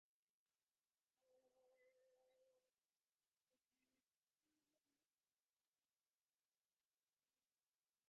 ސިއްތިމާވާ ރަނިކިލެގެފާނަކީ ކަލާފާނުގެ ދޮންމަންމާފުޅު ވެސް